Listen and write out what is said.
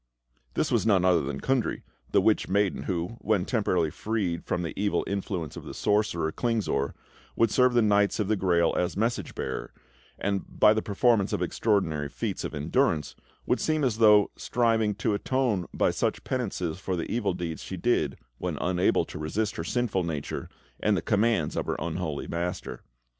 This was none other than Kundry, the witch maiden, who, when temporarily freed from the evil influence of the sorcerer, Klingsor, would serve the Knights of the Grail as message bearer, and, by the performance of extraordinary feats of endurance, would seem as though striving to atone by such penances for the evil deeds she did when unable to resist her sinful nature and the commands of her unholy master.